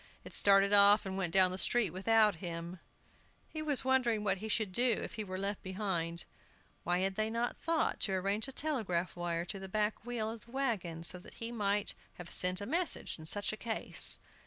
It started off and went down the street without him! He was wondering what he should do if he were left behind (why had they not thought to arrange a telegraph wire to the back wheel of the wagon, so that he might have sent a message in such a case!)